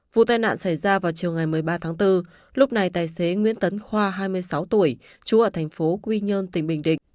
vụ tai nạn xảy ra vào chiều ngày một mươi ba tháng bốn lúc này tài xế nguyễn tấn khoa hai mươi sáu tuổi trú ở thành phố quy nhơn tỉnh bình định